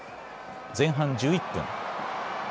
前半１１分。